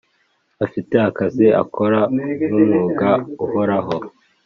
afite akazi akora nk’umwuga uhoraho